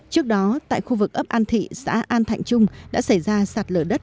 trước đó tại khu vực ấp an thị xã an thạnh trung đã xảy ra sạt lở đất